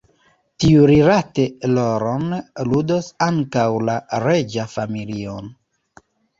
Tiurilate rolon ludos ankaŭ la reĝa familio.